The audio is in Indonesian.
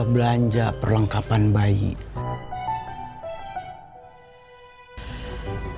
pasti jelas jelas berluc rohani dan jenis jenis teren